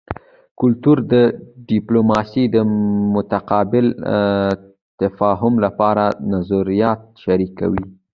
کلتوري ډیپلوماسي د متقابل تفاهم لپاره نظریات شریکوي